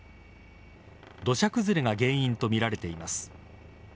土砂崩れが原因とみられています。